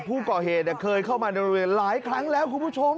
ผู้ก่อเหตุเคยเข้ามาในโรงเรียนหลายครั้งแล้วคุณผู้ชม